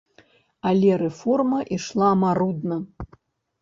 Але рэформа ішла марудна.